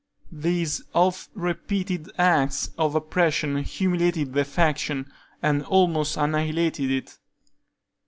These oft repeated acts of oppression humiliated the faction, and almost annihilated it.